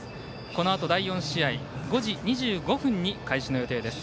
このあと第４試合５時２５分に開始の予定です。